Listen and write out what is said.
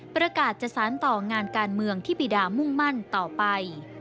ประกาศจะสารต่องานการเมืองที่บีดามุ่งมั่นต่อไป